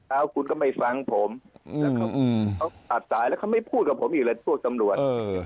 เอาคุณก็ไม่ฟังผมแล้วเขาตัดสายแล้วเขาไม่พูดกับผมอีกเลยพวกตำรวจ